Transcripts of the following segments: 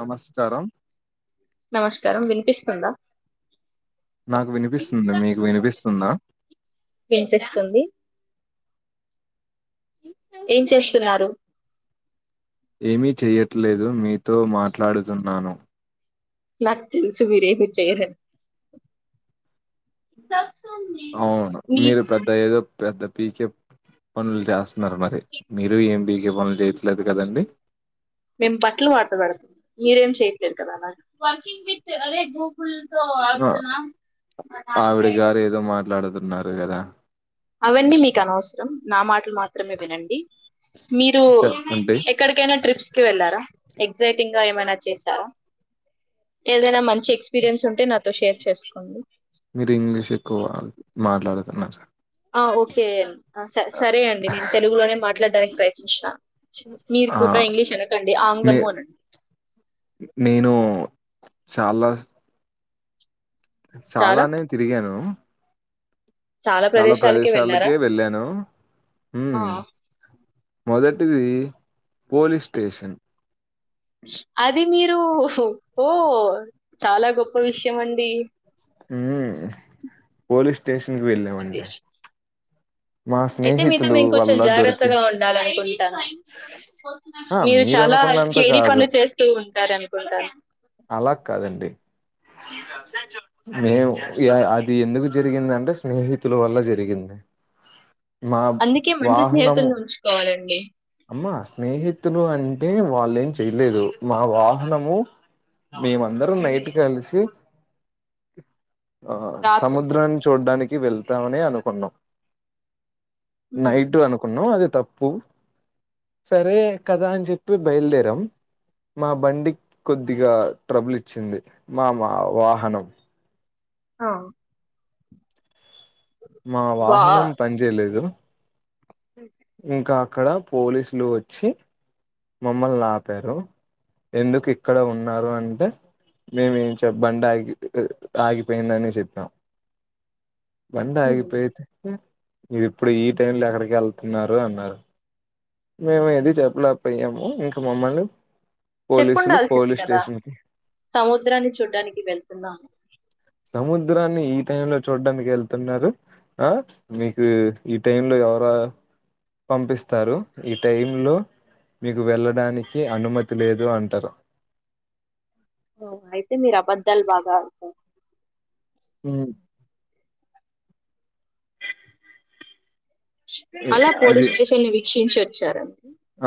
నమస్కారం నమస్కారం వినిపిస్తు ఉందా నాకు వినిపిస్తుంది మీకు వినిపిస్తుందా వినిపిస్తుంది ఏం చేస్తున్నారు ఏమీ చెయ్యట్లేదు మీతో మాట్లాడుతున్నాను నాకు తెలుసు మీరు ఏమి చెయ్యరని అవును మీరు పెద్ద ఏదో పెద్ద పీకే పనులు చేస్తు మరి మీరు ఏం పికే పనులు చేయట్లేదు కదండి మేము బట్టలు మడతా పెడుతున్నం మీరేం చేయట్లేదు కదా హ్హా ఆవిడ గారు ఏదో మాట్లాడుతున్నారు కదా అవన్నీ మీకు అనవసరం నా మాటలు మాత్రమే వినండి మీరు చెప్పండి ఎక్కడికైనా ట్రిప్స్ కి వెళ్లారా ఎగ్జైటింగ్ గా ఏమైనా చేశారా ఏదైనా మంచి ఎక్స్పీరియన్స్ ఉంటే నాతో షేర్ చేసుకోండి మీరు ఇంగ్లీష్ ఎక్కువ మాట్లాడుతున్నారు ఆ ఓకే సరే అండి, నేను తెలుగులోనే మాట్లాడడానికి ప్రయత్నిస్థా మీరు ఆ కూడా ఇంగ్లీష్ అనకండి నే ఆంగ్లము అనండి. నేను చాలా సార్లు చాలా చాలానేే తిరిగాను చాలా ప్రదేశాలకి వెళ్ళారా ప్రదేశాలకే వెళ్ళాను ఆ మ్మ్ మొదట ఇది పోలీస్ స్టేషన్ అది మీరు ఓ చాలా గొప్ప విషయం అండి మ్మ్ పోలీస్ స్టేషన్ కి వెల్లినమండి అయితే మీతో మేము కొంచెం వల్ల దొరికి జాగ్రత్తగా ఉండాలనుకుంటా ఆ మీరు చాలా అనుకున్నంత ఛీడ పనులు చేస్తూ ఉంటారనుకుంటా అలకాదండి చెప్పు మేము ఛీ అది ఎందుకు జరిగింది అంటే స్నేహితుల వల్ల జరిగింది మా అందుకే మంచి వాహనము స్నేహితుల్ని ఉంచుకోవాలండి. అమ్మ స్నేహి తులు అంటే వాళ్ళ ఏం చెయలేదు మా వాహనము మేమందరం నైట్ కలిసి ఆ రాత్రి సముద్రాన్ని చూడడానికి వెళ్తామని అనుకున్నాం హ్మ్. నైట్ అనుకున్నవ్ అది తప్పు సరే కదా అని చెప్పి బయల్దేరం మా బండి కొద్దిగా ట్రబులిచ్చింది, మా మా వాహనం ఆ మా వా వాహనం పని చేేయలేదు. ఇంకా అక్కడ పోలీసులు వచ్చి మమ్మల్నాపారు, ఎందుకిక్కడ ఉన్నారు అంటే? మేమేం చెప్ బండాగి ఆగి ఆగిపోయిందని చెప్పాం. [inaudible] బండాగిపోయితే, మీరిప్పుడు ఈ టైం లో ఎక్కడికెళ్తున్నారు అన్నారు. మేము ఏది చెప్పలేకపోయాము. ఇంక మమ్మల్ని చెప్పు పోలీసులు ఉండాల్సింది పోలీస్ కదా, స్టేషన్ కి సముద్రాన్ని చూడ్డానికి వెళ్తున్నాము సముద్రాన్ని ఈ టైంలో చూడ్డానికెళ్తున్నారు. అ మీకు ఈ టైమ్ లో ఎవరా? పంపిస్తారు ఈ టైమ్ లో మీరు వెళ్ళడానికి అనుమతి లేదు అంటారు. ఒ అయితే మీరు అబద్దాల్ బాగా త హ్మ్మ్ అలా అది పోలీస్ స్టేషన్ని వీక్షించి వచ్చార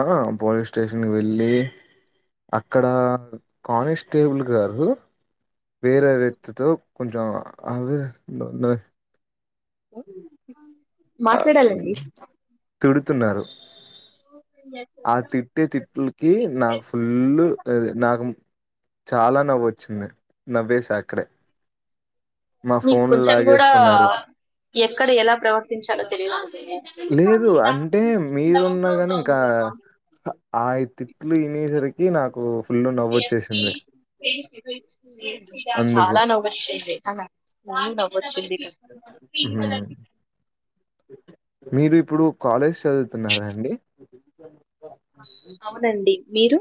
ఆ పోలీస్ స్టేషన్కి వెళ్ళి అక్కడా కానిస్టేబుల్ గారు! వేరే వ్యక్తితో కొంచెం [unintelligible] మాట్లాడాలండి. [unintelligible] తిడుతున్నారు ఆ తిట్టె తిట్లుకి నాకు ఫుల్, [unintelligible] నాకు చాలా నవ్వొచ్చింది, నవ్వేేశా అక్కడే. మా మీకు ఫోన్ కొంచెం కూడా, లాగేసుకున్నారు ఎక్కడ ఎలా ప్రవర్తించాలో తెలియదుందె లేదు అంటే మీరున్న గని ఇంక ఆయ్తి తిట్లు వినేసరికి నాకు ఫుల్ నవ్వొచ్చేసింది. అందుకు చాలా నవ్వొచ్చింది వచ్చింది మీరిప్పుడు కాలేజ్ చదువుతున్నారా అండి. అవునండి మీరు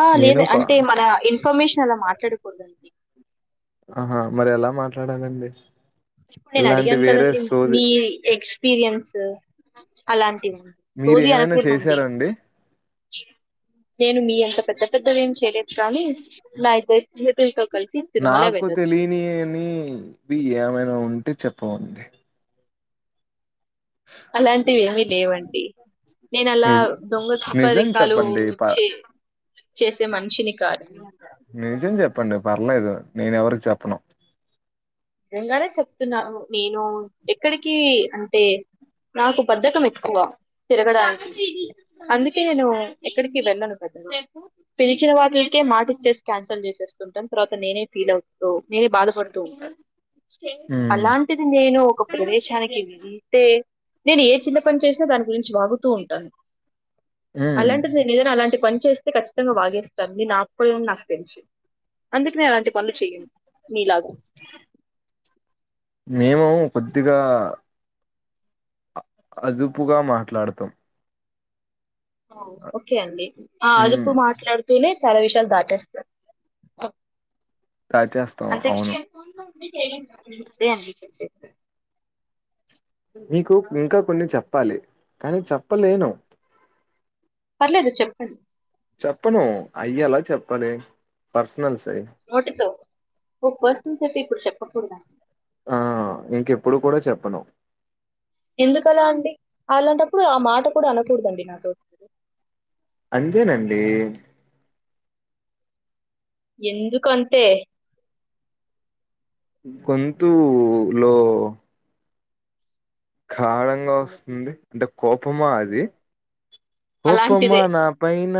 ఆ లేద నేను కా అంటే మన ఇన్ఫర్మేషన్ అలా మాట్లాడకూదండి ఆహా మరెలా మాట్లాడాలండి. ఇప్పుడు నేను ఇలాంటి అడిగాను వేరే కదండి, సోది మీ ఎక్స్పీరియన్స్ అలాంటివన్ మీరు సోది ఏమైనా అనకూడదండి చేశారండి? నేను మీ అంత పెద్ద పెద్దవి ఏం చేయలేదు కానీ, నా ఇద్దరి స్నేహితుల్తొ నాకు తెలియనిని వి ఏమైనా ఉంటే చెప్పవండి. అలాంటివి ఏవి లేవండి నేనలా నిజ్ దొంగ నిజం తప్పదికాలు చెప్పండి. ప చే చేసే మన్ నిజం చెప్పండి పర్లేదు, నేనెవరికి చెప్పను. నిజంగానే చెప్తున్నాను నేను ఎక్కడికి అంటే నాకు బద్ధకం ఎక్కువ తిరగడానికి అందుకే నేను ఎక్కడికి వెళ్ళను ప్రద్ద పిలిచిన వాటిలకే మాటచ్చేసి క్యాన్సల్ చేసేస్తుంటాను తర్వాత నేనే ఫీల్ అవుతా బాధపడుతూ ఉంటారు హ్మ్ అలాంటిది నేను ఒక ప్రదేశానికి వెళ్ళి అే నేను ఏ చిన్న పని చేసినా దాని గురించి వాాగుతూ ఉంటాను హ్మ్ అలాంటిది నేన్ అలాంటి పని చేస్తే ఖచ్చితంగా వాగేస్తాను నే నాపని నాకు తెలుసు అందుకనే అలాంటి పనులు చెయ్యను మీలాగా [inaudible] మేము కొద్దిగా అ అదుపుగా మాట్లాడతాం ఓకే అండి ఆ హ్మ్ అందుకు మాట్లాడుతునే చాలా విషయాలు దాటేస్తారు దాచేస్తాం అంతే అవును [unintelligible] నీకు ఇంకా కొన్ని చెప్పాలి కానీ చెప్పలేను పర్లేదు చెప్పండి చెప్పను అయ్యలా చెప్పాలి పర్సనల్స్యి నోటితో ఓ పెర్సొనల్స్ అయితే ఇప్పుడు చెప్పకూడద ఆ ఇంకెప్పుడు కూడా చెప్పను ఎందుకలా అండి అలాంటప్పుడు ఆ మాట కూడా అనకూడదండి నాతో అంతె నండి ఎందుకు అంతే గొంతు లో కణంగా వస్తుంది అంటే కోపమా అది కోపమా అలాంటిదే నా పైన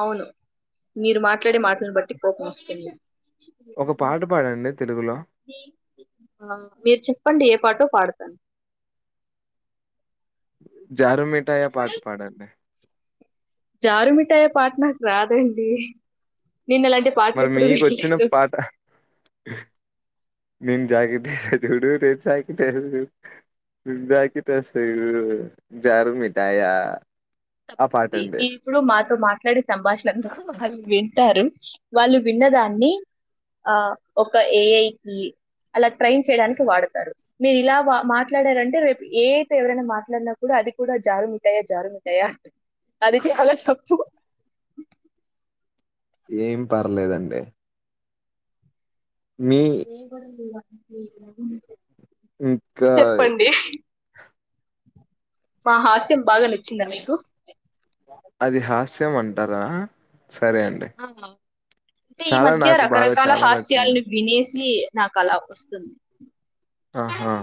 అవును మీరు మాట్లాడే మాటలను బట్టి కోపం వస్తుంది ఒక పాట పాడండి తెలుగులో మీరు చెప్పండి ఏ పాటో పాడుత ను జారుమిఠాయా పాట పాడండి జారుమిఠాయ పాట్నకు రాదండి నేను అలాంటి పాటలు మరి ఎప్పుడు మీకొచ్చిన వినలేదు పాట నేన్ జాకెటస్తా చూడు నేన్ జాకెటస్తా జాకెట్ ఇస్తాచుడు జారుూ మిఠాయా తప్పండి మీ ఇప్పుడు మా మాట్లాడే సంభాషణ వాళ్ళు వింటారు వాళ్ళు విన్నదాన్ని ఆ ఒక ఏఐకి అలా ట్రైన్ చేయడానికి వాడతారు మీరు ఇలా మాట్లాడారంటే రేపు ఏ అయితే ఎవరైనా మాట్లాడినా కూడా అది కూడా జారు మిఠాయ జారు మిఠాయ అంటుంది అది చాలా తప్పు ఏం పర్లేదండి మీ ఏం గొడవలు లేవా [unintelligible] ఇంకా మా హాస్యం బాగా నచ్చిందా మీకు అది హాస్యం అంటారా సరే అండి ఆహా అంటే ఈ చాలా మధ్య నాకు బాగా రకరకాల చాలా నచ్చింది హాస్యాలను వినేసి నాకు అలా వస్తుంది ఆహా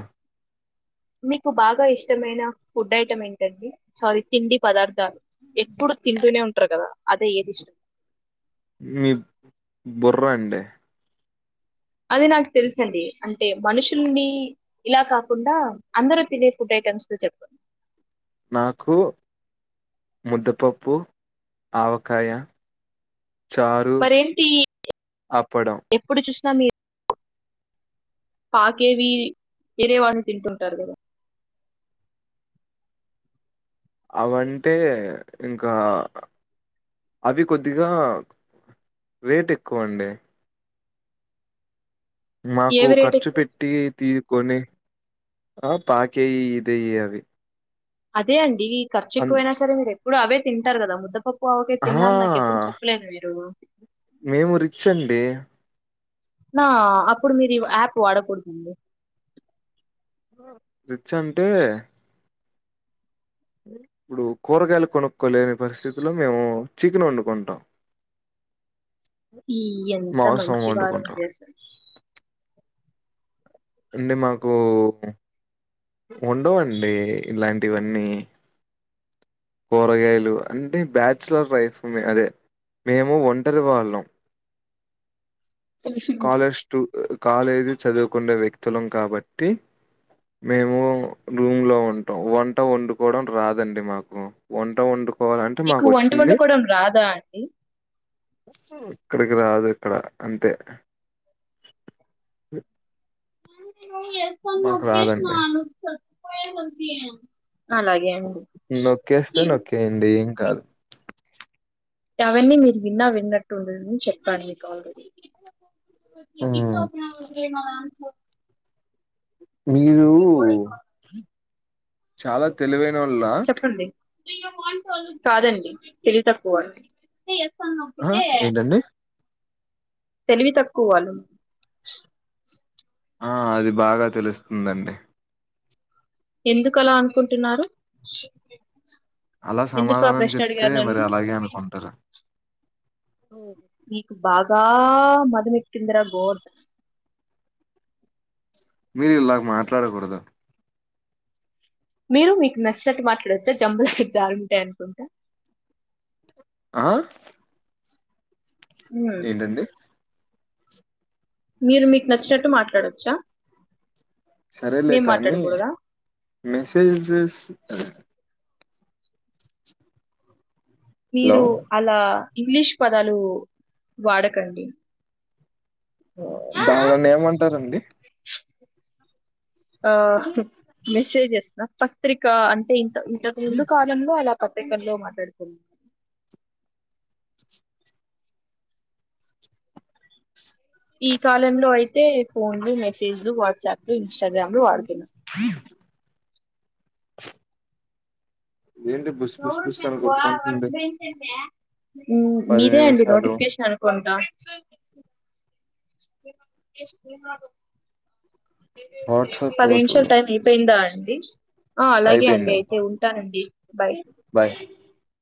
మీకు బాగా ఇష్టమైన ఫుడ్ ఐటమ్ ఏంటండి సారీ తిండి పదార్థాలు ఎప్పుడు తింటూనే ఉంటారు కదా అదే ఏది ఇష్టం మీ బుర్రా అండీ అది నాకు తెలుసండి అంటే మనుషుల్ని ఇలా కాకుండా అందరు తినే ఫుడ్ ఐటమ్ ని చెప్పండి నాకు ముద్దపప్పు ఆవకాయ చారు మరేంటి అప్పడం ఎప్పుడు చూసినా మీరు పాకేవి ఇదేవాటిని తింటుంటారు కదా అవంటే ఇంకా అవి కొద్దిగా రేట్ ఎక్కువ అండి. మాకు ఏవి రేట్ ఖర్చు ఎక్కువ పెట్టి తీ కొనే ఆ పాకేయి ఇదేయ అవి అదే అండి ఈ ఖర్చు అన్ ఎక్కువైనా సరే మీరు ఎప్పుడు అవే తింటారు కదా ముద్దపప్పు ఓకే అహా! తిన్నాని నాకు ఎప్పుడు చెప్పలేదు మీరు మేము రిచ్ అండి. నా అప్పుడు మీరు యాప్ వాడకూడదండి. రిచ్ అంటే ఇప్పుడు కూరగాయలు కొనుక్కోలేని పరిస్థితిలో మేము చీకను వండుకుంటాం. ఈ ఎంత మాంసం మంచి వండుకుంటాం. వారటసలు అంటే మాకు ఉండవ అండి ఇలాంటివన్నీ కూరగాయలు అంటే బ్యాచ్ లర్ లైఫ్ అదే మేము ఒంటరి వాళ్ళం కాలేజ్ స్టూ కాలేజీ చదువుకునే వ్యక్తులం కాబట్టి మేము రూమ్ లో ఉంటాం. వంట వండుకోవడం రాదండి. మాకు వంట వండు పోవాలంటే మీకు మాకు వంట వచ్చింది వండుకోవడం రాదా అండి ఇక్కడికి రాదు ఇక్కడ అంతే మీ ఎ నువ్వు చేస్తనవా నను సచ్చపోయేది అలాగే నొక్కేస్తే అండి నొక్కేయండి ఏం కాదు అవన్నీ మీరు విన్నా విన్నట్టుండదని చెప్పా మీకు ఆల్రెడీ మ్మ్ [unintelligible] మీరు చాలా తెలివైన ఓళ్ళ చెప్పండి కాదండి తెలివి తక్కువ వళ్ళు ఆ ఏంటండి తెలివి తక్కువ వాళ్ళు ఆ అది బాగా తెలుస్తుందండి. ఎందుకలా అనుకుంటున్నారు. అలా ఎందుకు ఆ సమాధానం ప్రశ్న చెప్తే అడిగారు మరి నన్ను అలాగే అనుకుంటా నీకు బాగా మధము ఎక్కిందిరా గోడ్ మీరు ఇలాగ మాట్లాడకూడదు. మీరు మీకు నచ్చినట్టు మాట్లాడొచ్చా జంబులా జారు మిటాయి అనుకుంట ఆ ఏంటండి మీరు మీకు నచ్చినట్టు మాట్లాడచ్చా సరేలే కానీ మెసేజెస్ లో మీరు అలా ఇంగ్లీష్ పదాలు వాడకండి. దాన్లను ఏమంటారండి ఆ మెసేజెస్ పత్రిక అంటే ఇ ఇంతకు ముందు కాలంలో అలా ప్రత్యేకంలో మాట్లాడుతు ఈ కాలంలో అయితే ఫోన్లు, మెసేజ్లు, వాట్సాప్ లు, ఇన్స్టాగ్రామ్లు వాడత అ ఏంటి బుస్ బుస్ ఎవరు బుస్ మే అని నువ్వు వర్క్ కొట్టుకుంటుంది టెన్సన్ పది మీరే అండి నిమిషాలు నోటిఫికేషన్ అనుకుంటా వాట్సాప్ పది లో నిమిషాలు చూడు టైం అయిపోయిందా ఆ అలాగే అండి అయిపోయిందండి అయితే ఉంటానండి బాయ్ బాయ్